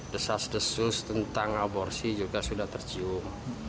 desas desus tentang aborsi juga sudah tercium